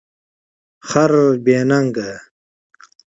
خر بی نګه